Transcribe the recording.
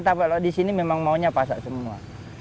tapi kalau di sini memang maunya pasak semua